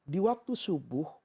di waktu subuh